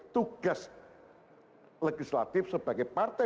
tugas legislatif sebagai partai